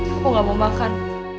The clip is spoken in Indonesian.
aku gak mau makan